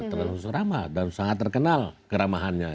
termasuk ramah dan sangat terkenal keramahannya